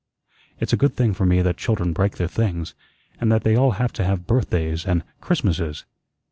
It's a good thing for me that children break their things, and that they all have to have birthdays and Christmases."